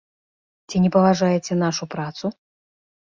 Ці не паважаеце нашу працу?